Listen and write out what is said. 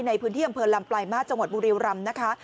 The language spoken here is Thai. ในพื้นที่อำเภอลำปลายมาสจังหวัดบุรีรำนะคะ